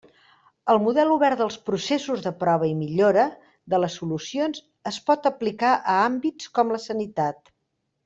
El model obert dels processos de prova i millora de les solucions es pot aplicar a àmbits com la sanitat.